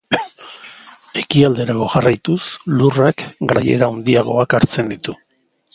Ekialderago jarraituz, lurrak, garaiera handiagoak hartzen ditu.